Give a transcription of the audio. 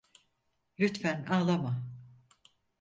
Lütfen ağlama.